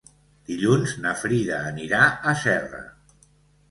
Dilluns na Frida anirà a Serra.